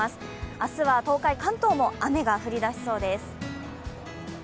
明日は東海、関東も雨が降り出すそうです。